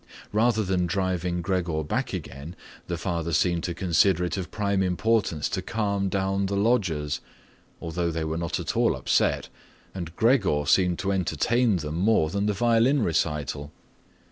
Rather than driving Gregor back again, the father seemed to consider it of prime importance to calm down the lodgers, although they were not at all upset and Gregor seemed to entertain them more than the violin recital.